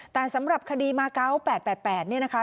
แต่สำหรับคดีมาเก้าแปดแปดแปดเนี่ยนะคะ